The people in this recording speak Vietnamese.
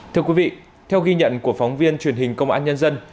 thưa quý vị theo ghi nhận của phóng viên truyền hình công an nhân dân